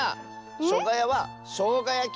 「しょがや」は「しょうがやき」！